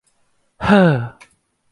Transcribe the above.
เฮ้อ !